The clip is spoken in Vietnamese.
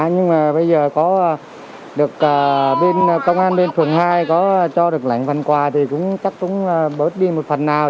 nhưng mà bây giờ có được bên công an bên phường hai có cho được lệnh văn quà thì cũng chắc cũng bớt đi một phần nào